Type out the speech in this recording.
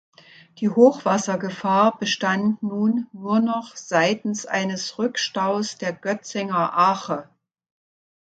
Die Hochwassergefahr bestand nun „nur noch“ seitens eines Rückstaus der Götzinger Ache.